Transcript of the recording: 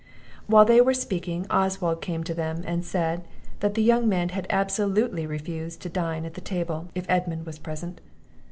While they were speaking, Oswald came to them, and said, that the young men had absolutely refused to dine at the table, if Edmund was present.